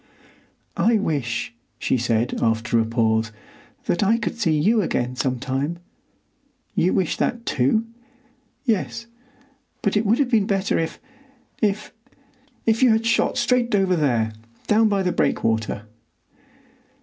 "I wish," she said, after a pause, "that I could see you again sometime. You wish that, too?" "Yes, but it would have been better if—if—you had—shot straight over there—down by the breakwater."